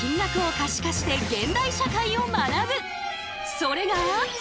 それが。